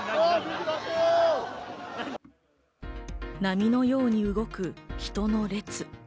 波のように動く人の列。